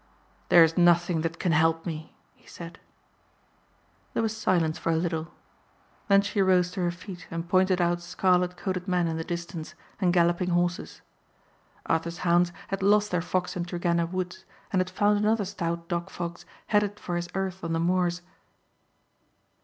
"There is nothing that can help me," he said. There was silence for a little; then she rose to her feet and pointed out scarlet coated men in the distance and galloping horses. Arthur's hounds had lost their fox in Tregenna woods and had found another stout dog fox headed for his earth on the moors.